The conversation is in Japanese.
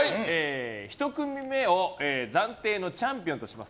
１組目を暫定のチャンピオンとします。